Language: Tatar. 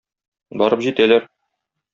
Барып җитәләр.